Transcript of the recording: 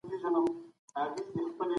زه په څشي به پایېږم